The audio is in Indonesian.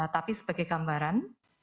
tapi sebagai gambaran